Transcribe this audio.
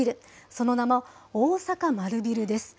その名も大阪マルビルです。